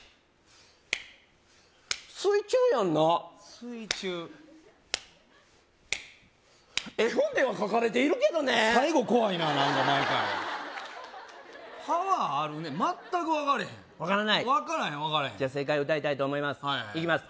水中やんな水中絵本では描かれているけどね最後怖いな何か毎回パワーあるね全く分かれへん分からない分かれへん分かれへんじゃ正解を歌いたいと思いますいきます